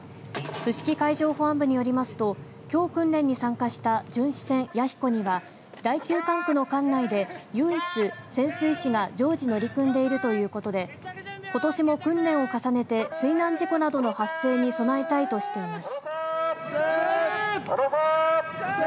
伏木海上保安部によりますときょう訓練に参加した巡視船やひこには第９管区の管内で唯一潜水士が常時乗り組んでいるということでことしも訓練を重ねて水難事故などの発生に備えたいとしています。